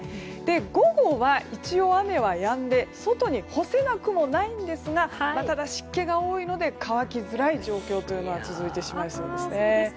午後は一応、雨はやんで外に干せなくはないんですがただ湿気が多いので乾きやすい状況が続いてしまいそうですね。